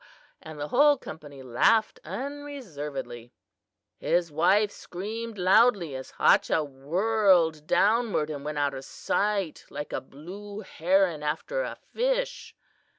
and the whole company laughed unreservedly. "His wife screamed loudly as Hachah whirled downward and went out of sight like a blue heron after a fish.